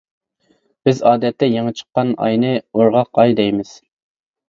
بىز ئادەتتە يېڭى چىققان ئاينى ئورغاق ئاي دەيمىز.